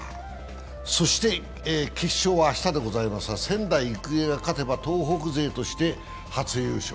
そして決勝は明日でございますが仙台育英が勝てば東北勢として初優勝。